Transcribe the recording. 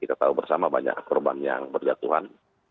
kita tahu bersama banyak korban yang berjatuhan